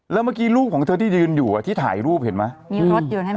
แล้วเมื่อกี้รูปของเธอที่ยืนอยู่อ่ะที่ถ่ายรูปเห็นไหม